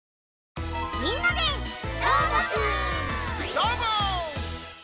どーも！